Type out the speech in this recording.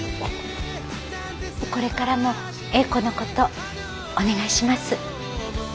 これからも詠子のことお願いします。